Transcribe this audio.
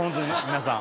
皆さん